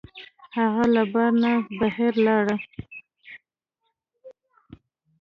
هغه له بار نه بهر لاړ.